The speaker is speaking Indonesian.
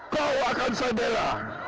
kau akan saya bela